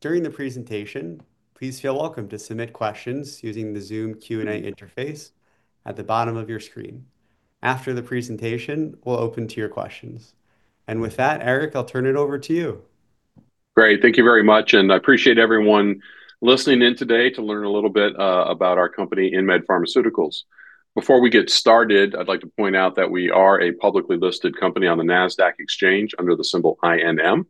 During the presentation, please feel welcome to submit questions using the Zoom Q&A interface at the bottom of your screen. After the presentation, we'll open to your questions. With that, Eric, I'll turn it over to you. Great. Thank you very much, and I appreciate everyone listening in today to learn a little bit about our company, InMed Pharmaceuticals. Before we get started, I'd like to point out that we are a publicly listed company on the Nasdaq under the symbol INM,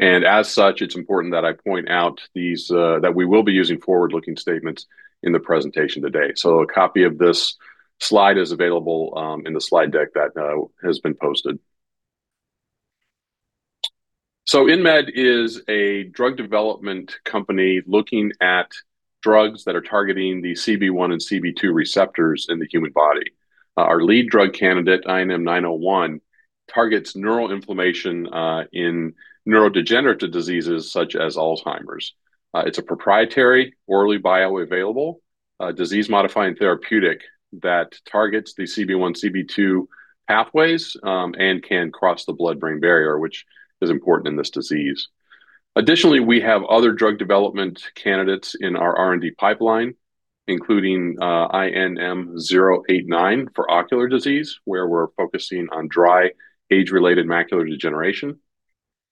and as such, it's important that I point out that we will be using forward-looking statements in the presentation today. A copy of this slide is available in the slide deck that has been posted. InMed is a drug development company looking at drugs that are targeting the CB1 and CB2 receptors in the human body. Our lead drug candidate, INM-901, targets neural inflammation in neurodegenerative diseases such as Alzheimer's. It's a proprietary, orally bioavailable, disease-modifying therapeutic that targets the CB1, CB2 pathways, and can cross the blood-brain barrier, which is important in this disease. Additionally, we have other drug development candidates in our R&D pipeline, including INM-089 for ocular disease, where we're focusing on dry age-related macular degeneration,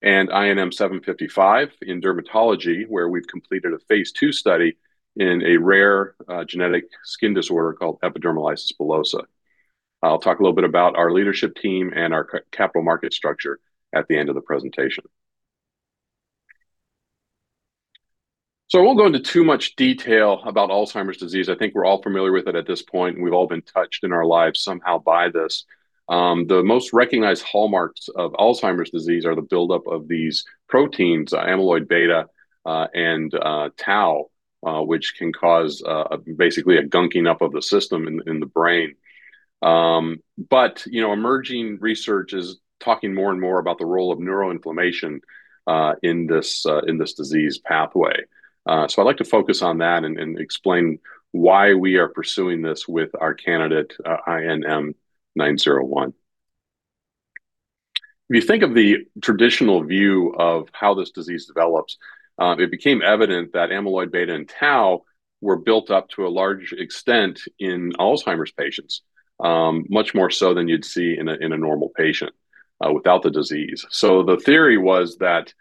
and INM-755 in dermatology, where we've completed a phase II study in a rare genetic skin disorder called epidermolysis bullosa. I'll talk a little bit about our leadership team and our capital market structure at the end of the presentation. I won't go into too much detail about Alzheimer's disease. I think we're all familiar with it at this point, and we've all been touched in our lives somehow by this. The most recognized hallmarks of Alzheimer's disease are the buildup of these proteins, amyloid beta, and tau, which can cause basically a gunking up of the system in the brain. You know, emerging research is talking more and more about the role of neuroinflammation in this disease pathway. I'd like to focus on that and explain why we are pursuing this with our candidate INM-901. If you think of the traditional view of how this disease develops, it became evident that amyloid beta and tau were built up to a large extent in Alzheimer's patients, much more so than you'd see in a normal patient without the disease. The theory was that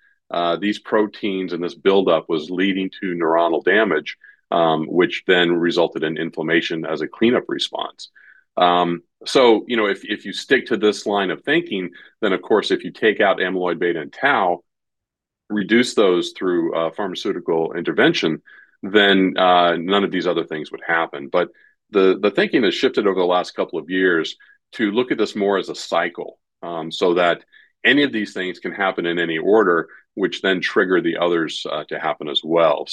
these proteins and this buildup was leading to neuronal damage, which then resulted in inflammation as a cleanup response. You know, if you stick to this line of thinking, then of course, if you take out amyloid beta and tau, reduce those through pharmaceutical intervention, then none of these other things would happen. The thinking has shifted over the last couple of years to look at this more as a cycle, so that any of these things can happen in any order, which then trigger the others to happen as well.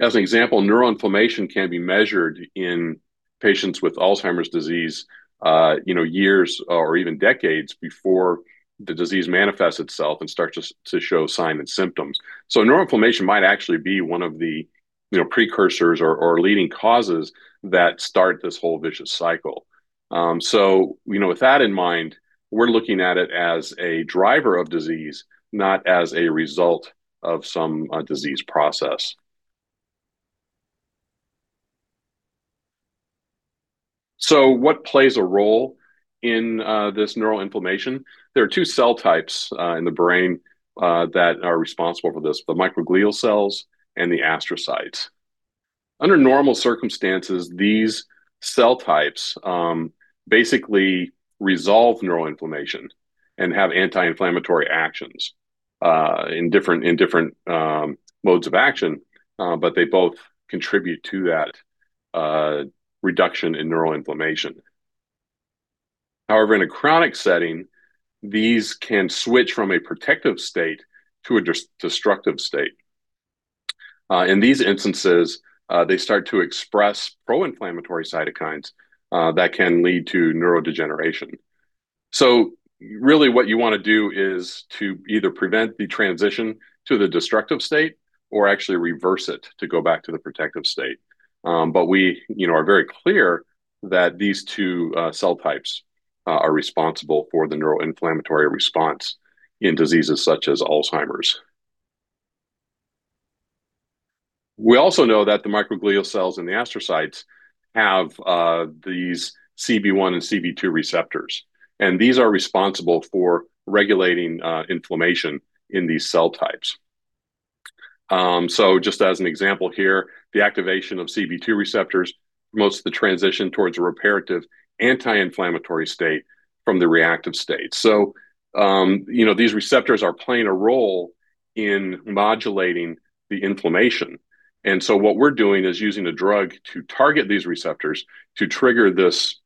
As an example, neuroinflammation can be measured in patients with Alzheimer's disease, you know, years or even decades before the disease manifests itself and starts to show signs and symptoms. Neuroinflammation might actually be one of the, you know, precursors or leading causes that start this whole vicious cycle. You know, with that in mind, we're looking at it as a driver of disease, not as a result of some disease process. What plays a role in this neuroinflammation? There are two cell types in the brain that are responsible for this, the microglial cells and the astrocytes. Under normal circumstances, these cell types basically resolve neuroinflammation and have anti-inflammatory actions in different modes of action, but they both contribute to that reduction in neuroinflammation. However, in a chronic setting, these can switch from a protective state to a destructive state. In these instances, they start to express pro-inflammatory cytokines that can lead to neurodegeneration. Really what you wanna do is to either prevent the transition to the destructive state or actually reverse it to go back to the protective state. But we, you know, are very clear that these two cell types are responsible for the neuroinflammatory response in diseases such as Alzheimer's. We also know that the microglial cells and the astrocytes have these CB1 and CB2 receptors, and these are responsible for regulating inflammation in these cell types. Just as an example here, the activation of CB2 receptors promotes the transition towards a reparative anti-inflammatory state from the reactive state. You know, these receptors are playing a role in modulating the inflammation. What we're doing is using a drug to target these receptors to trigger this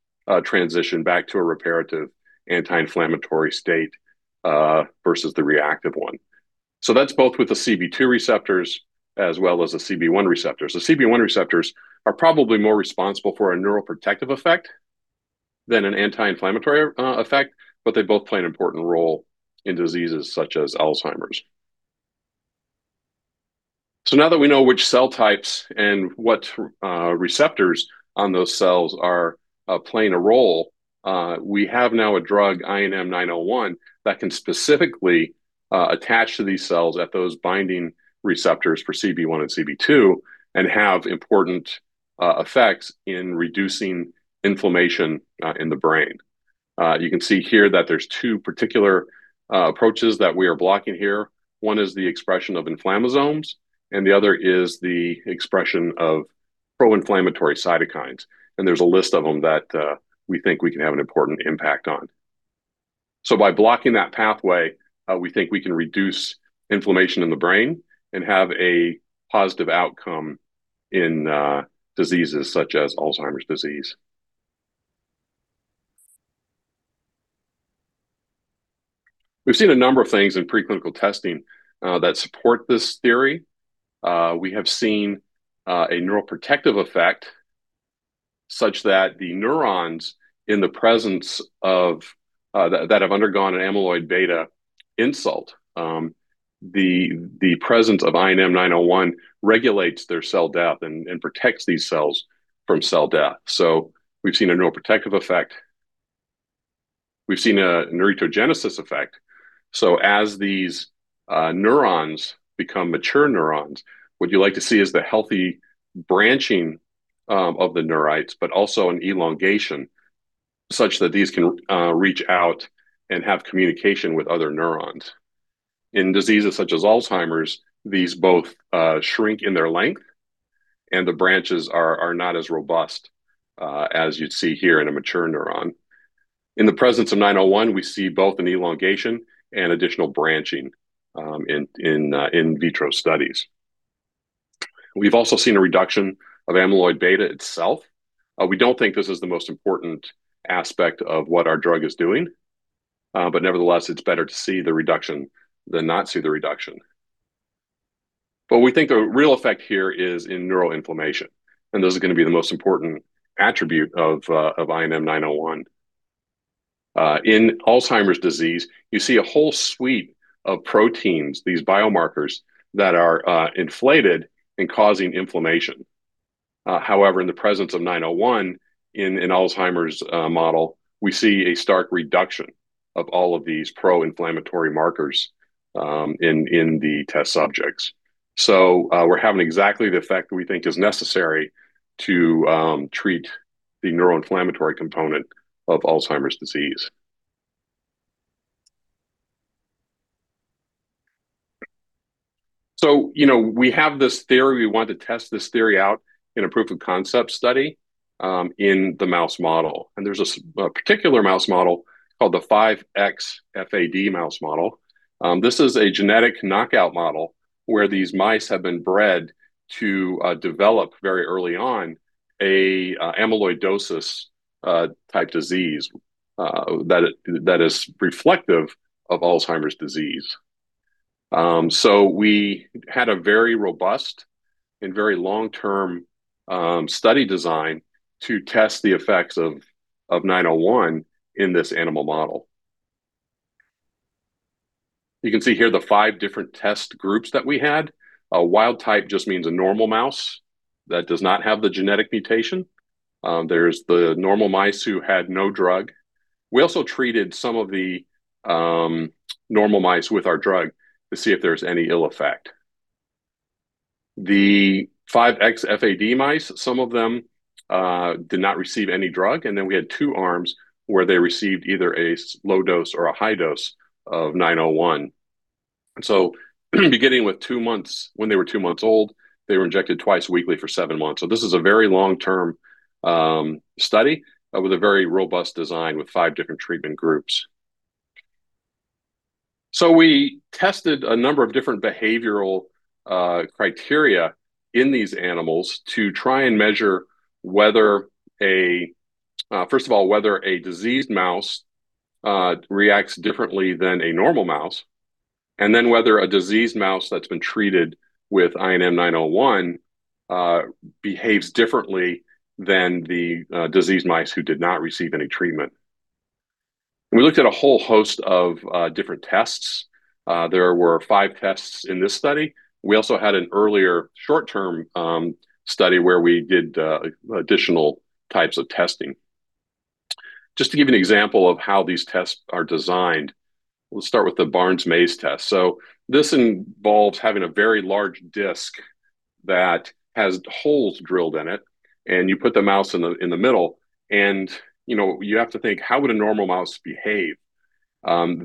transition back to a reparative anti-inflammatory state versus the reactive one. That's both with the CB2 receptors as well as the CB1 receptors. The CB1 receptors are probably more responsible for a neuroprotective effect than an anti-inflammatory, effect, but they both play an important role in diseases such as Alzheimer's. Now that we know which cell types and what receptors on those cells are, playing a role, we have now a drug, INM-901, that can specifically, attach to these cells at those binding receptors for CB1 and CB2 and have important, effects in reducing inflammation, in the brain. You can see here that there's two particular, approaches that we are blocking here. One is the expression of inflammasomes, and the other is the expression of pro-inflammatory cytokines. There's a list of them that, we think we can have an important impact on. By blocking that pathway, we think we can reduce inflammation in the brain and have a positive outcome in diseases such as Alzheimer's disease. We've seen a number of things in preclinical testing that support this theory. We have seen a neuroprotective effect such that the neurons that have undergone an amyloid beta insult, the presence of INM-901 regulates their cell death and protects these cells from cell death. We've seen a neuroprotective effect. We've seen a neurogenesis effect. As these neurons become mature neurons, what you like to see is the healthy branching of the neurites, but also an elongation such that these can reach out and have communication with other neurons. In diseases such as Alzheimer's, these both shrink in their length, and the branches are not as robust as you'd see here in a mature neuron. In the presence of 901, we see both an elongation and additional branching in vitro studies. We've also seen a reduction of amyloid beta itself. We don't think this is the most important aspect of what our drug is doing, but nevertheless, it's better to see the reduction than not see the reduction. We think the real effect here is in neuroinflammation, and this is gonna be the most important attribute of INM-901. In Alzheimer's disease, you see a whole suite of proteins, these biomarkers that are elevated and causing inflammation. However, in the presence of INM-901 in Alzheimer's model, we see a stark reduction of all of these pro-inflammatory markers in the test subjects. We're having exactly the effect that we think is necessary to treat the neuroinflammatory component of Alzheimer's disease. You know, we have this theory. We want to test this theory out in a proof of concept study in the mouse model. There's a particular mouse model called the 5xFAD mouse model. This is a genetic knockout model where these mice have been bred to develop very early on a amyloidosis type disease that is reflective of Alzheimer's disease. We had a very robust and very long-term study design to test the effects of INM-901 in this animal model. You can see here the 5 different test groups that we had. A wild type just means a normal mouse that does not have the genetic mutation. There's the normal mice who had no drug. We also treated some of the normal mice with our drug to see if there's any ill effect. The 5xFAD mice, some of them, did not receive any drug. We had two arms where they received either low dose or a high dose of INM-901. When they were two months old, they were injected twice weekly for seven months. This is a very long-term study with a very robust design with five different treatment groups. We tested a number of different behavioral criteria in these animals to try and measure, first of all, whether a diseased mouse reacts differently than a normal mouse, and then whether a diseased mouse that's been treated with INM-901 behaves differently than the diseased mice who did not receive any treatment. We looked at a whole host of different tests. There were five tests in this study. We also had an earlier short-term study where we did additional types of testing. Just to give you an example of how these tests are designed, let's start with the Barnes maze test. This involves having a very large disk that has holes drilled in it, and you put the mouse in the middle, and you know, you have to think, how would a normal mouse behave?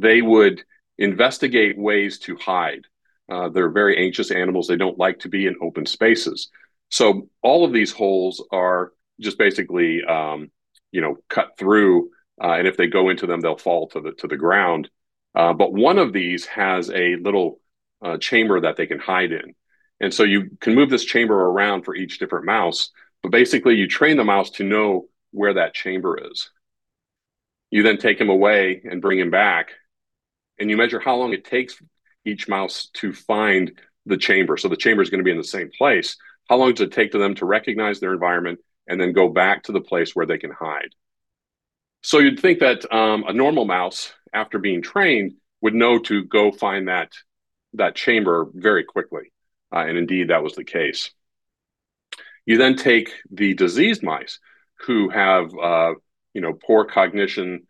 They would investigate ways to hide. They're very anxious animals. They don't like to be in open spaces. All of these holes are just basically, you know, cut through, and if they go into them, they'll fall to the ground. One of these has a little chamber that they can hide in. You can move this chamber around for each different mouse. Basically, you train the mouse to know where that chamber is. You then take him away and bring him back, and you measure how long it takes each mouse to find the chamber. The chamber's gonna be in the same place. How long does it take for them to recognize their environment and then go back to the place where they can hide? You'd think that a normal mouse after being trained would know to go find that chamber very quickly. Indeed, that was the case. You then take the diseased mice who have you know poor cognition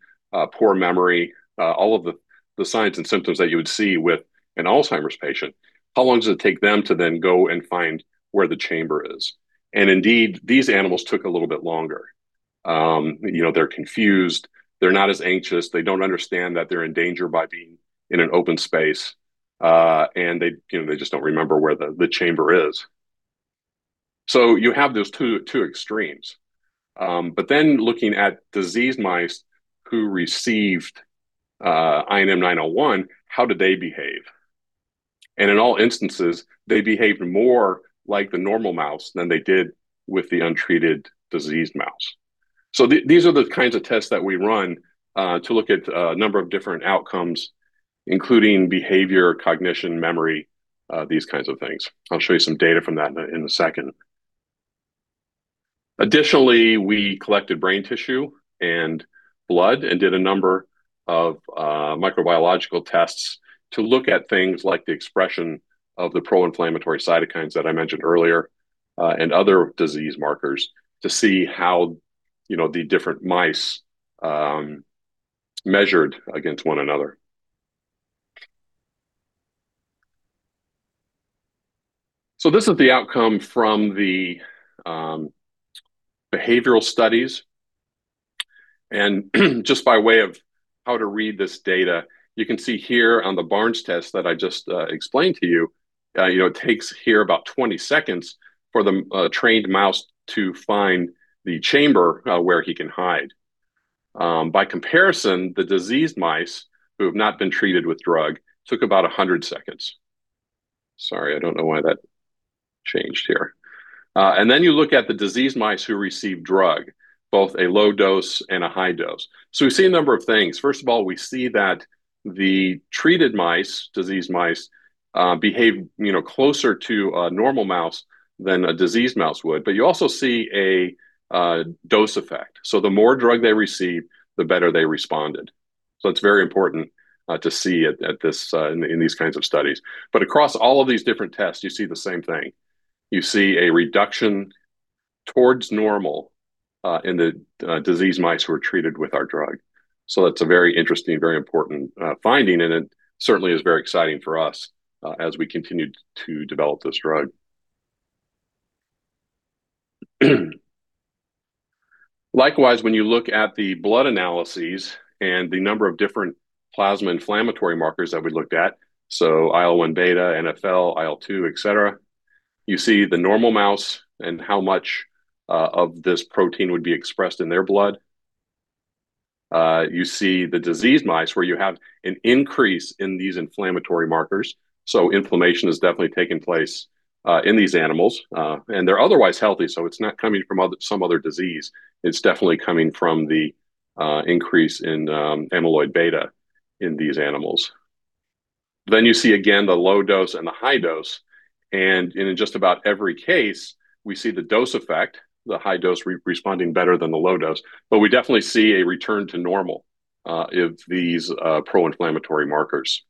poor memory all of the signs and symptoms that you would see with an Alzheimer's patient. How long does it take them to then go and find where the chamber is? Indeed, these animals took a little bit longer. You know, they're confused. They're not as anxious. They don't understand that they're in danger by being in an open space. They you know just don't remember where the chamber is. You have those two extremes. Looking at diseased mice who received INM-901, how did they behave? In all instances, they behaved more like the normal mouse than they did with the untreated diseased mouse. These are the kinds of tests that we run to look at a number of different outcomes, including behavior, cognition, memory, these kinds of things. I'll show you some data from that in a second. Additionally, we collected brain tissue and blood and did a number of microbiological tests to look at things like the expression of the pro-inflammatory cytokines that I mentioned earlier, and other disease markers to see how, you know, the different mice measured against one another. This is the outcome from the behavioral studies. Just by way of how to read this data, you can see here on the Barnes test that I just explained to you know, it takes here about 20 seconds for the trained mouse to find the chamber where he can hide. By comparison, the diseased mice who have not been treated with drug took about 100 seconds. Sorry, I don't know why that changed here. Then you look at the diseased mice who received drug, both a low dose and a high dose. We see a number of things. First of all, we see that the treated mice, diseased mice, behave, you know, closer to a normal mouse than a diseased mouse would. You also see a dose effect. The more drug they receive, the better they responded. It's very important to see in these kinds of studies. Across all of these different tests, you see the same thing. You see a reduction towards normal in the diseased mice who are treated with our drug. That's a very interesting, very important finding, and it certainly is very exciting for us as we continue to develop this drug. Likewise, when you look at the blood analyses and the number of different plasma inflammatory markers that we looked at, so IL-1β, NfL, IL-2, et cetera, you see the normal mouse and how much of this protein would be expressed in their blood. You see the diseased mice where you have an increase in these inflammatory markers. Inflammation is definitely taking place in these animals. They're otherwise healthy, so it's not coming from some other disease. It's definitely coming from the increase in amyloid beta in these animals. You see again the low dose and the high dose. In just about every case, we see the dose effect, the high dose responding better than the low dose, but we definitely see a return to normal of these pro-inflammatory markers.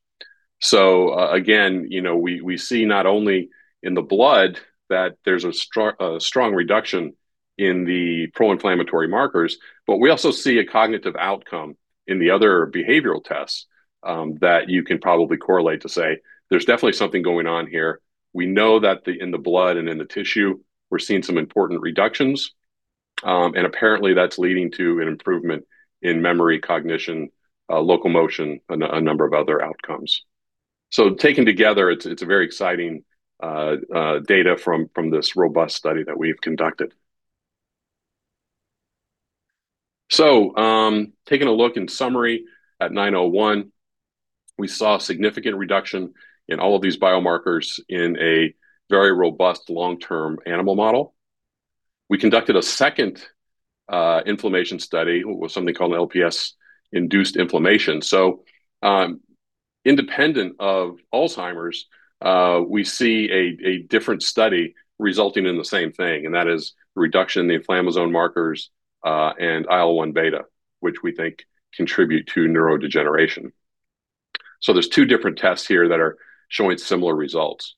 Again, you know, we see not only in the blood that there's a strong reduction in the pro-inflammatory markers, but we also see a cognitive outcome in the other behavioral tests that you can probably correlate to say there's definitely something going on here. We know that in the blood and in the tissue, we're seeing some important reductions. Apparently that's leading to an improvement in memory, cognition, locomotion, and a number of other outcomes. Taken together, it's a very exciting data from this robust study that we've conducted. Taking a look in summary at INM-901, we saw significant reduction in all of these biomarkers in a very robust long-term animal model. We conducted a second inflammation study with something called LPS-induced inflammation. Independent of Alzheimer's, we see a different study resulting in the same thing, and that is reduction in the inflammasome markers and IL-1β, which we think contribute to neurodegeneration. There's two different tests here that are showing similar results.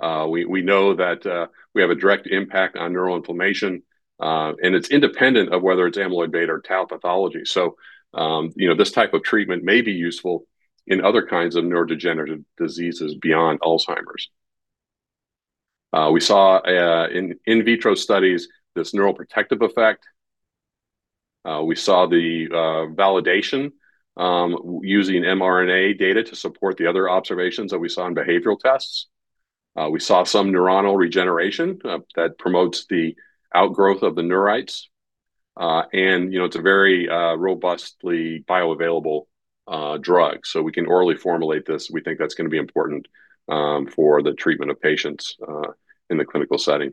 We know that we have a direct impact on neural inflammation, and it's independent of whether it's amyloid beta or tau pathology. You know, this type of treatment may be useful in other kinds of neurodegenerative diseases beyond Alzheimer's. We saw in vitro studies this neuroprotective effect. We saw the validation using mRNA data to support the other observations that we saw in behavioral tests. We saw some neuronal regeneration that promotes the outgrowth of the neurites. You know, it's a very robustly bioavailable drug. We can orally formulate this. We think that's gonna be important for the treatment of patients in the clinical setting.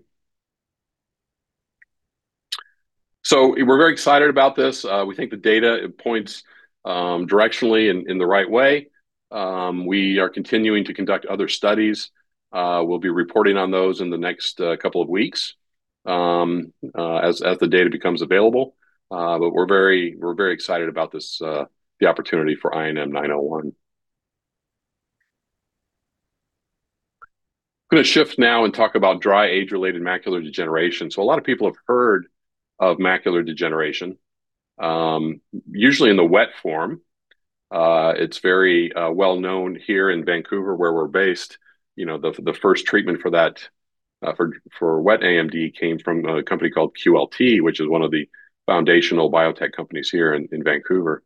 We're very excited about this. We think the data it points directionally in the right way. We are continuing to conduct other studies. We'll be reporting on those in the next couple of weeks as the data becomes available. We're very excited about this, the opportunity for INM-901. Gonna shift now and talk about dry age-related macular degeneration. A lot of people have heard of macular degeneration, usually in the wet form. It's very well known here in Vancouver where we're based. The first treatment for that, for wet AMD came from a company called QLT, which is one of the foundational biotech companies here in Vancouver.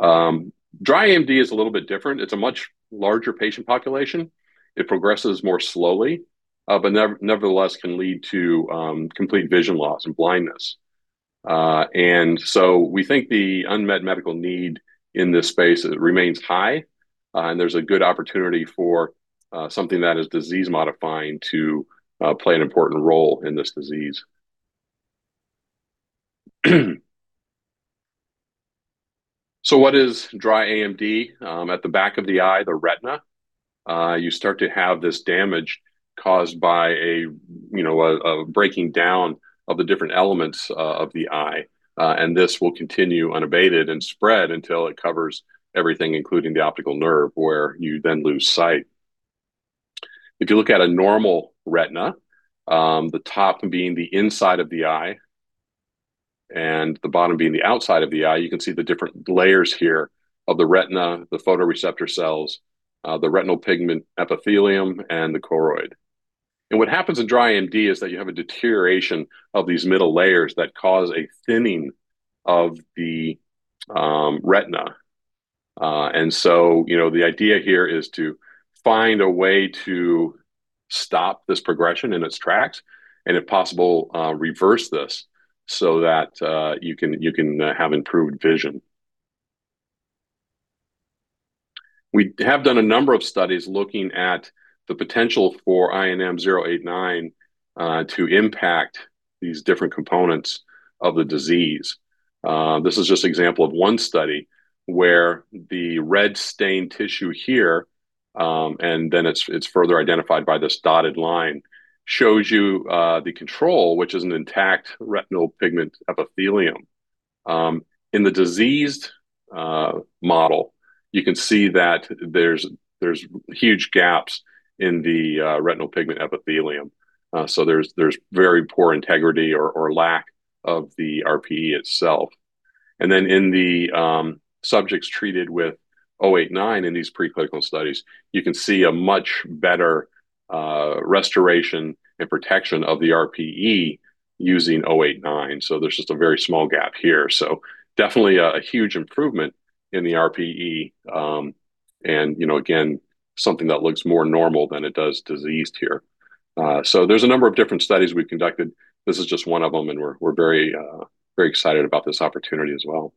Dry AMD is a little bit different. It's a much larger patient population. It progresses more slowly, but nevertheless can lead to complete vision loss and blindness. We think the unmet medical need in this space remains high, and there's a good opportunity for something that is disease-modifying to play an important role in this disease. What is dry AMD? At the back of the eye, the retina, you start to have this damage caused by a breaking down of the different elements of the eye. This will continue unabated and spread until it covers everything including the optic nerve, where you then lose sight. If you look at a normal retina, the top being the inside of the eye and the bottom being the outside of the eye, you can see the different layers here of the retina, the photoreceptor cells, the retinal pigment epithelium, and the choroid. What happens in dry AMD is that you have a deterioration of these middle layers that cause a thinning of the retina. You know, the idea here is to find a way to stop this progression in its tracks, and if possible, reverse this so that you can have improved vision. We have done a number of studies looking at the potential for INM-089 to impact these different components of the disease. This is just an example of one study where the red-stained tissue here, and then it's further identified by this dotted line, shows you the control, which is an intact retinal pigment epithelium. In the diseased model, you can see that there's huge gaps in the retinal pigment epithelium. There's very poor integrity or lack of the RPE itself. In the subjects treated with INM-089 in these preclinical studies, you can see a much better restoration and protection of the RPE using INM-089. There's just a very small gap here. Definitely a huge improvement in the RPE, and you know, again, something that looks more normal than it does diseased here. There's a number of different studies we've conducted. This is just one of them, and we're very excited about this opportunity as well.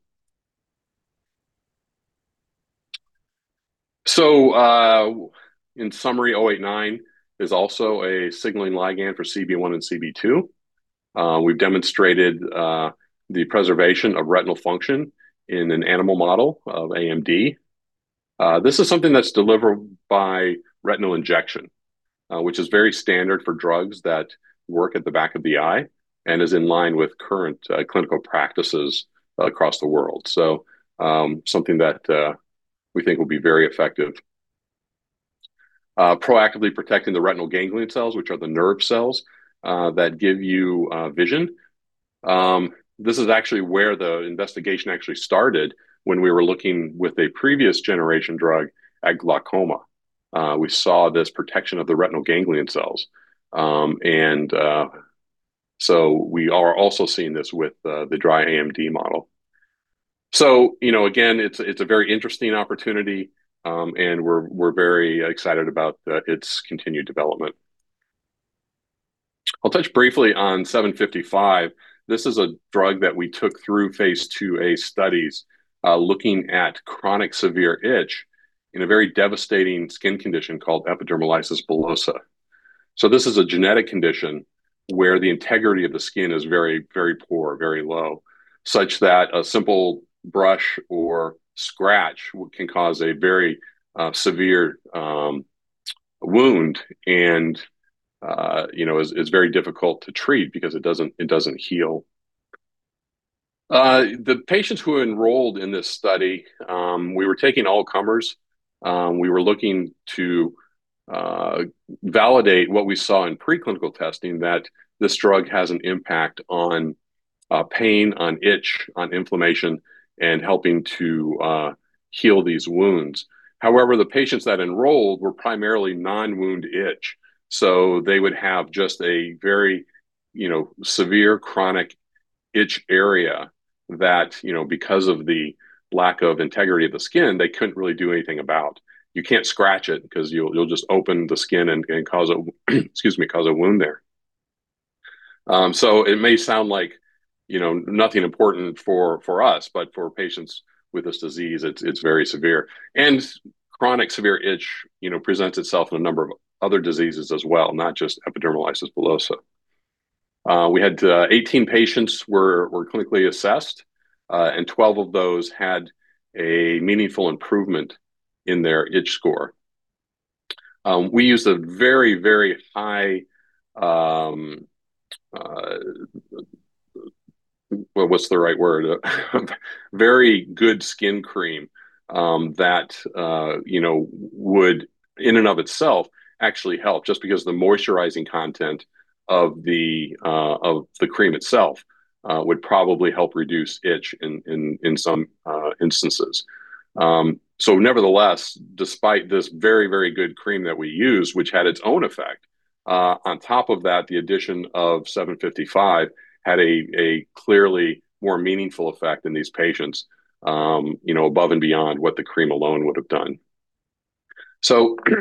In summary, INM-089 is also a signaling ligand for CB1 and CB2. We've demonstrated the preservation of retinal function in an animal model of AMD. This is something that's delivered by retinal injection, which is very standard for drugs that work at the back of the eye and is in line with current clinical practices across the world. Something that we think will be very effective. Proactively protecting the retinal ganglion cells, which are the nerve cells that give you vision. This is actually where the investigation actually started when we were looking with a previous generation drug at glaucoma. We saw this protection of the retinal ganglion cells. We are also seeing this with the dry AMD model. You know, again, it's a very interesting opportunity, and we're very excited about its continued development. I'll touch briefly on INM-755. This is a drug that we took through phase IIA studies, looking at chronic severe itch in a very devastating skin condition called epidermolysis bullosa. This is a genetic condition where the integrity of the skin is very, very poor, very low, such that a simple brush or scratch can cause a very severe wound and, you know, is very difficult to treat because it doesn't heal. The patients who enrolled in this study, we were taking all comers. We were looking to validate what we saw in preclinical testing that this drug has an impact on pain, on itch, on inflammation, and helping to heal these wounds. However, the patients that enrolled were primarily non-wound itch, so they would have just a very, you know, severe chronic itch area that, you know, because of the lack of integrity of the skin, they couldn't really do anything about. You can't scratch it 'cause you'll just open the skin and cause a wound there. So it may sound like, you know, nothing important for us, but for patients with this disease, it's very severe. Chronic severe itch, you know, presents itself in a number of other diseases as well, not just epidermolysis bullosa. We had 18 patients were clinically assessed, and 12 of those had a meaningful improvement in their itch score. We used a very high, what's the right word? Very good skin cream, that, you know, would in and of itself actually help just because the moisturizing content of the cream itself would probably help reduce itch in some instances. Nevertheless, despite this very, very good cream that we used, which had its own effect, on top of that, the addition of INM-755 had a clearly more meaningful effect in these patients, you know, above and beyond what the cream alone would have done.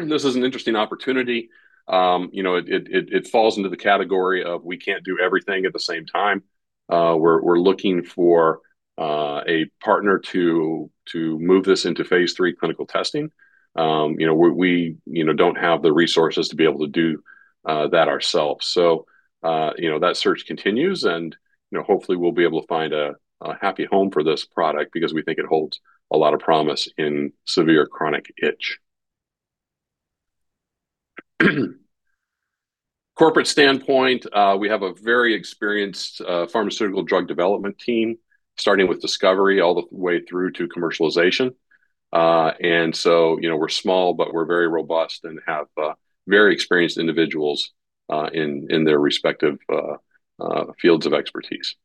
This is an interesting opportunity. You know, it falls into the category of we can't do everything at the same time. We're looking for a partner to move this into phase III clinical testing. You know, we you know, don't have the resources to be able to do that ourselves. You know, that search continues, and you know, hopefully we'll be able to find a happy home for this product because we think it holds a lot of promise in severe chronic itch. Corporate standpoint, we have a very experienced pharmaceutical drug development team, starting with discovery all the way through to commercialization. You know, we're small, but we're very robust and have very experienced individuals in their respective fields of expertise.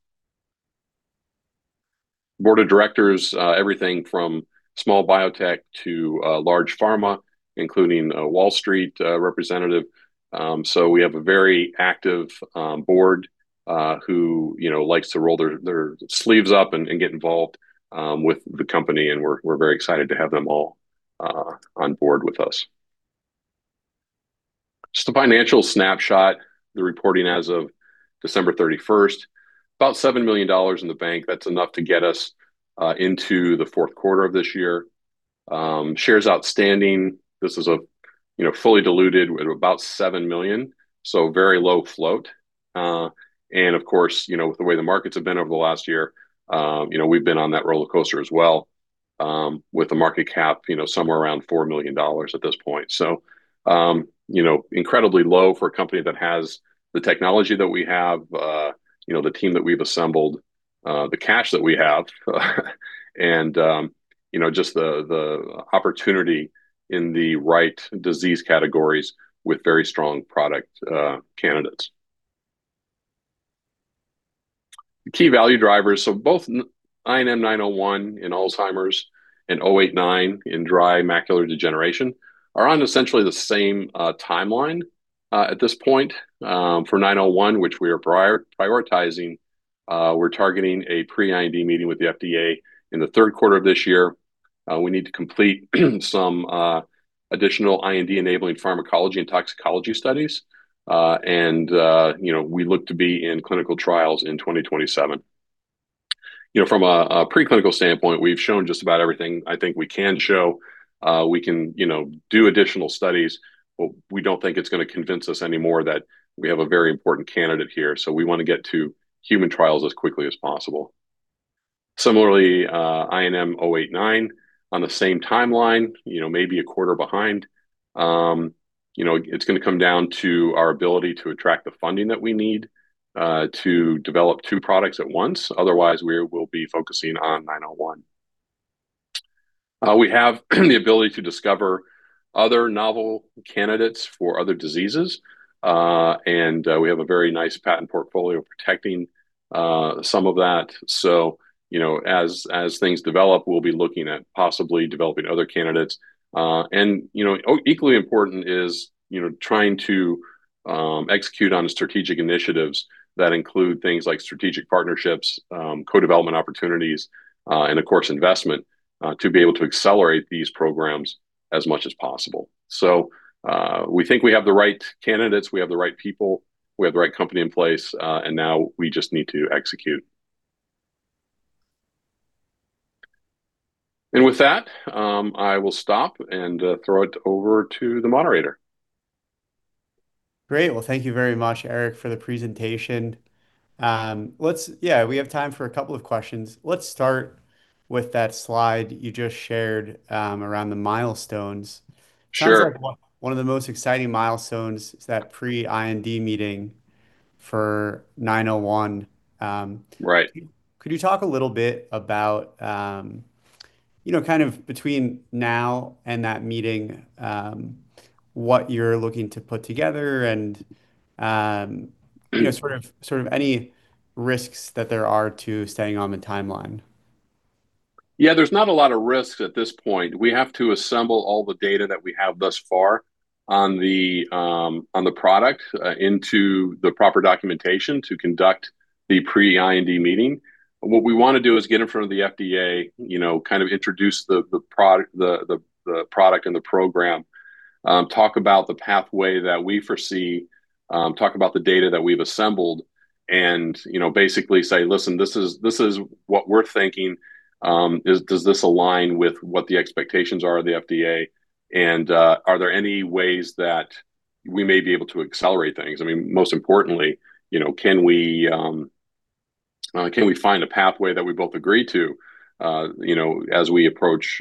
Board of directors, everything from small biotech to large pharma, including a Wall Street representative. We have a very active board who, you know, likes to roll their sleeves up and get involved with the company, and we're very excited to have them all on board with us. Just a financial snapshot, the reporting as of December 31. About $7 million in the bank. That's enough to get us into the fourth quarter of this year. Shares outstanding, this is a, you know, fully diluted at about 7 million, so very low float. Of course, you know, the way the markets have been over the last year, you know, we've been on that roller coaster as well, with the market cap, you know, somewhere around $4 million at this point. You know, incredibly low for a company that has the technology that we have, you know, the team that we've assembled, the cash that we have, and, you know, just the opportunity in the right disease categories with very strong product candidates. Key value drivers. Both INM-901 in Alzheimer's and INM-089 in dry macular degeneration are on essentially the same timeline at this point. For INM-901, which we are prioritizing, we're targeting a pre-IND meeting with the FDA in the third quarter of this year. We need to complete some additional IND-enabling pharmacology and toxicology studies. You know, we look to be in clinical trials in 2027. You know, from a preclinical standpoint, we've shown just about everything I think we can show. We can, you know, do additional studies, but we don't think it's gonna convince us any more that we have a very important candidate here. We wanna get to human trials as quickly as possible. Similarly, INM-089 on the same timeline, you know, maybe a quarter behind. You know, it's gonna come down to our ability to attract the funding that we need to develop two products at once. Otherwise, we will be focusing on INM-901. We have the ability to discover other novel candidates for other diseases, and we have a very nice patent portfolio protecting some of that. You know, as things develop, we'll be looking at possibly developing other candidates. You know, equally important is, you know, trying to execute on strategic initiatives that include things like strategic partnerships, co-development opportunities, and of course, investment to be able to accelerate these programs as much as possible. We think we have the right candidates, we have the right people, we have the right company in place, and now we just need to execute. With that, I will stop and throw it over to the moderator. Great. Well, thank you very much, Eric, for the presentation. We have time for a couple of questions. Let's start with that slide you just shared around the milestones. Sure. Sounds like one of the most exciting milestones is that pre-IND meeting for INM-901. Right. Could you talk a little bit about, you know, kind of between now and that meeting, what you're looking to put together and, you know, sort of any risks that there are to staying on the timeline? Yeah, there's not a lot of risks at this point. We have to assemble all the data that we have thus far on the product into the proper documentation to conduct the pre-IND meeting. What we wanna do is get in front of the FDA, you know, kind of introduce the product and the program, talk about the pathway that we foresee, talk about the data that we've assembled, and, you know, basically say, "Listen, this is what we're thinking. Does this align with what the expectations are of the FDA?" Are there any ways that we may be able to accelerate things? I mean, most importantly, you know, can we find a pathway that we both agree to, you know, as we approach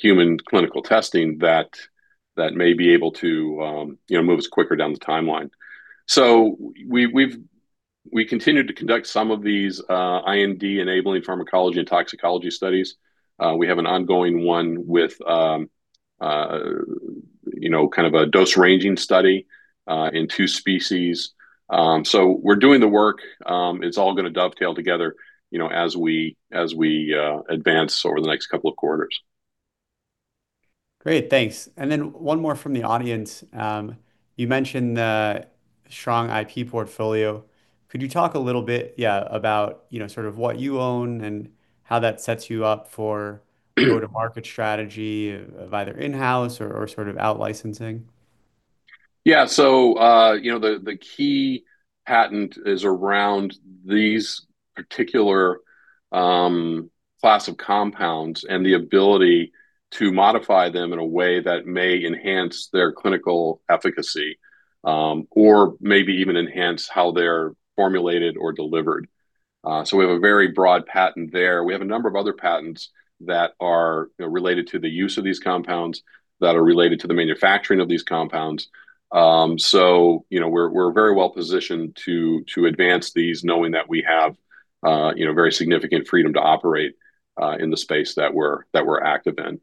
human clinical testing that may be able to, you know, move us quicker down the timeline? We continued to conduct some of these IND-enabling pharmacology and toxicology studies. We have an ongoing one with, you know, kind of a dose-ranging study in two species. We're doing the work. It's all gonna dovetail together, you know, as we advance over the next couple of quarters. Great. Thanks. Then one more from the audience. You mentioned the strong IP portfolio. Could you talk a little bit, yeah, about, you know, sort of what you own and how that sets you up for go-to-market strategy of either in-house or sort of out-licensing? Yeah. You know, the key patent is around these particular class of compounds and the ability to modify them in a way that may enhance their clinical efficacy, or maybe even enhance how they're formulated or delivered. We have a very broad patent there. We have a number of other patents that are related to the use of these compounds, that are related to the manufacturing of these compounds. You know, we're very well positioned to advance these knowing that we have very significant freedom to operate in the space that we're active in.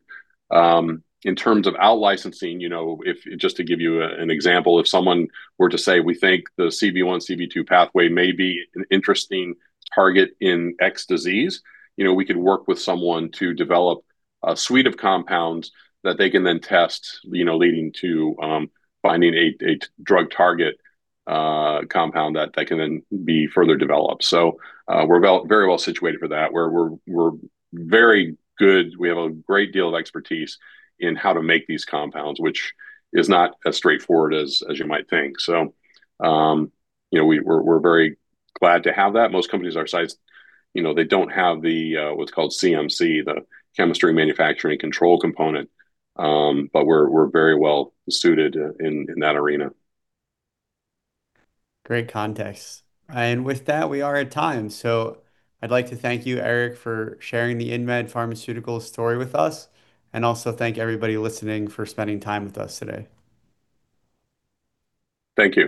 In terms of out-licensing, you know, if. Just to give you an example, if someone were to say, "We think the CB1, CB2 pathway may be an interesting target in X disease," you know, we could work with someone to develop a suite of compounds that they can then test, you know, leading to finding a drug target, compound that can then be further developed. We're very well situated for that, where we're very good. We have a great deal of expertise in how to make these compounds, which is not as straightforward as you might think. You know, we're very glad to have that. Most companies our size, you know, they don't have the, what's called CMC, the chemistry manufacturing control component. We're very well suited in that arena. Great context. With that, we are at time. I'd like to thank you, Eric, for sharing the InMed Pharmaceuticals story with us, and also thank everybody listening for spending time with us today. Thank you.